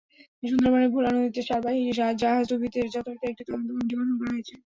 সুন্দরবনের ভোলা নদীতে সারবাহী জাহাজডুবিতে যথারীতি একটি তদন্ত কমিটি গঠন করা হয়েছে।